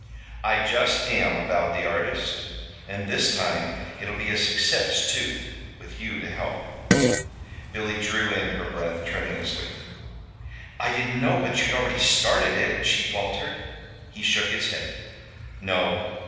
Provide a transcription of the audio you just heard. "I just am," avowed the artist. "And this time it'll be a success, too, with you to help." Billy drew in her breath tremulously. "I didn't know but you'd already started it," she faltered. He shook his head. "No.